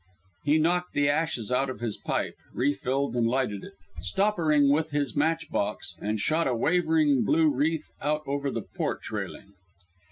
He knocked the ashes out of his pipe, refilled and lighted it stoppering with his match box and shot a wavering blue wreath out over the porch railing.